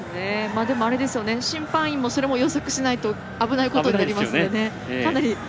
審判員も予測しないと危ないことになりますよね。